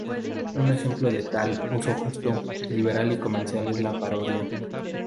Un ejemplo de tal "uso justo" liberal y comercial es la parodia.